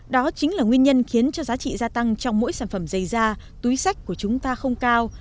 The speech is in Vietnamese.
đó chính là nguyên nhân khiến cho giá trị gia tăng trong mỗi sản phẩm dày da túi sách của chúng ta không cao